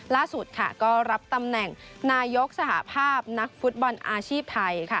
ล่าสุดก็รับตำแหน่งนายกสหภาพนักฟุตบอลอาชีพไทย